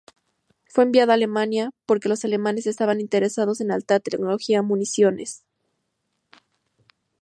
Fue enviada a Alemania, porque los alemanes estaban interesados en alta tecnología municiones.